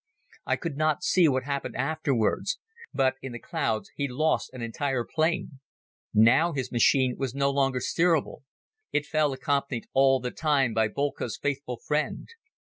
I could not see what happened afterwards, but in the clouds he lost an entire plane. Now his machine was no longer steerable. It fell accompanied all the time by Boelcke's faithful friend.